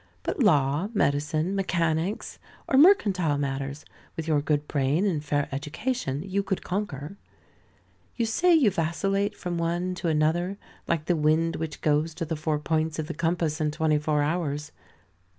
But law, medicine, mechanics, or mercantile matters, with your good brain and fair education, you could conquer. You say you vacillate from one to another, like the wind which goes to the four points of the compass in twenty four hours.